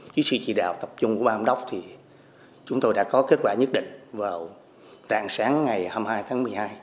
chí sĩ chỉ đạo tập trung của bà ông đốc thì chúng tôi đã có kết quả nhất định vào rạng sáng ngày hai mươi hai tháng một mươi hai